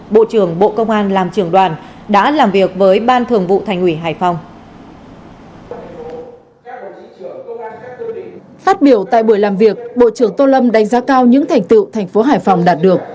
phát biểu tại buổi làm việc bộ trưởng tô lâm đánh giá cao những thành tựu thành phố hải phòng đạt được